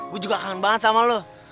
gue juga kangen banget sama lo